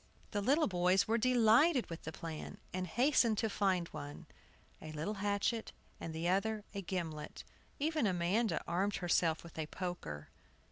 The little boys were delighted with the plan, and hastened to find, one, a little hatchet, and the other a gimlet. Even Amanda armed herself with a poker.